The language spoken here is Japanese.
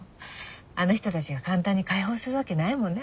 あの人たちが簡単に解放するわけないもんね